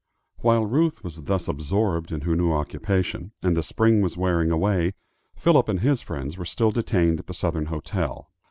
While Ruth was thus absorbed in her new occupation, and the spring was wearing away, Philip and his friends were still detained at the Southern Hotel.